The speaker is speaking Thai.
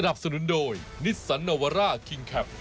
ตัดแจ่งเกินพิกับ